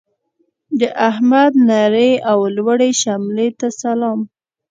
د احمد نرې او لوړې شملې ته سلام.